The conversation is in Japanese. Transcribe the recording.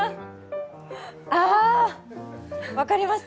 ああ、分かりました。